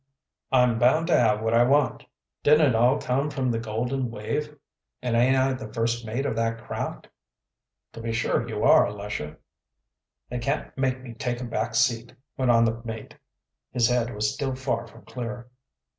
"I'm bound to have what I want. Didn't it all come from the Golden Wave, and aint I the first mate of that craft?" "To be sure you are, Lesher." "They can't make me take a back seat," went on the mate. His head was still far from clear.